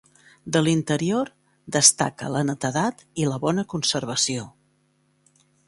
De l'interior destaca la netedat i la bona conservació.